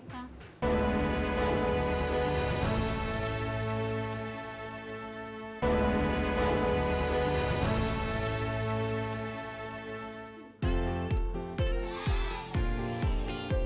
iya mau mulai